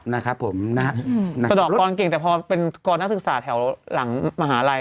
นะครับผมตรงต้องกรรมเก่งแต่พอเป็นกรณัฐึกษาแถวหลังมหาลัย